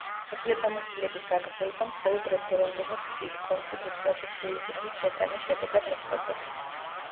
უფლებამოსილების გაგრძელება მხოლოდ რეფერენდუმის გზით კონსტიტუციაში ცვლილებები შეტანის შედეგად მოხდებოდა.